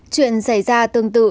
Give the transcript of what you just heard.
chuyện xảy ra tương tự